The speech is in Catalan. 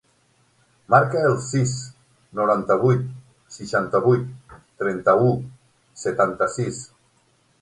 Marca el sis, noranta-vuit, seixanta-vuit, trenta-u, setanta-sis.